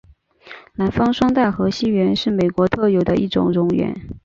南方双带河溪螈是美国特有的一种蝾螈。